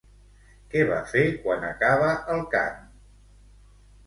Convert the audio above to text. Què va fer quan acaba el cant?